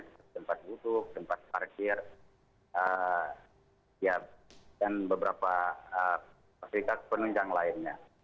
tempat duduk tempat parkir dan beberapa fasilitas penunjang lainnya